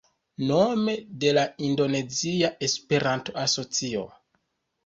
Nome de la Indonezia Esperanto-Asocio